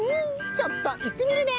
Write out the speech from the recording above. ちょっといってみるね！